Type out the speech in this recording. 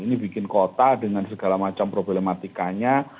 ini bikin kota dengan segala macam problematikanya